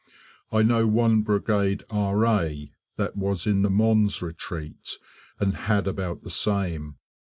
I know one brigade R.A. that was in the Mons retreat and had about the same.